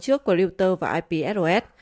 trước của reuters và ipsos